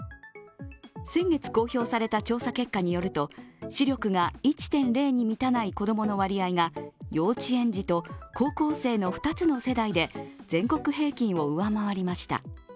先月公表された調査結果によりますと視力が１．０に満たない子供の割合が幼稚園児と高校生の２つの世代で全国平均を上回りました。